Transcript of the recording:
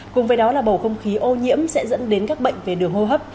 cùng với đó là bầu không khí ô nhiễm sẽ dẫn đến các bệnh về đường hô hấp